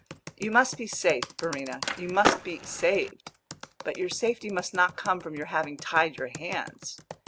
You must be safe, Verena you must be saved; but your safety must not come from your having tied your hands.